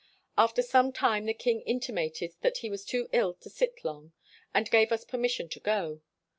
"After some time the king intimated that he was too ill to sit long, and gave us per mission to go.